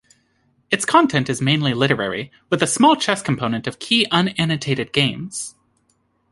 Its content is mainly literary, with a small chess component of key unannotated games.